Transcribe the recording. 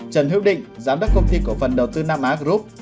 trần hữu định giám đốc công ty cổ phần đầu tư nam á group